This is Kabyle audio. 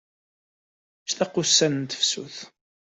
Tectaq ussan n tefsut.